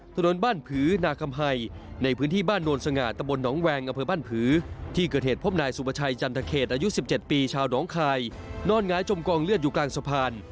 ถนนบ้านผือนาคำภัยในพื้นที่บ้านโนลสง่าตะบนหนองแวงอำเภอบ้านผือที่เกิดเหตุพบนายสุประชัยจันทเขตอายุ๑๗ปีชาวหนองคายนอนหงายจมกองเลือดอยู่กลางสะพาน